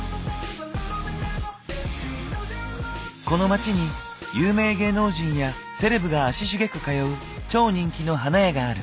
この街に有名芸能人やセレブが足しげく通う超人気の花屋がある。